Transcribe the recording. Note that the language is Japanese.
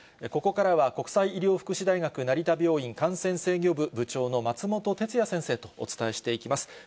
ここからは、国際医療福祉大学成田病院感染制御部部長の松本哲哉先生とお伝えしていきます。